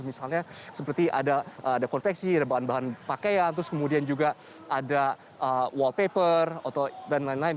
misalnya seperti ada konveksi ada bahan bahan pakaian terus kemudian juga ada wall paper dan lain lain